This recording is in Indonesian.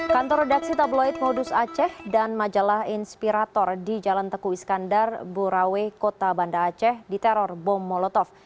kantor redaksi tabloid modus aceh dan majalah inspirator di jalan teku iskandar burawe kota banda aceh diteror bom molotov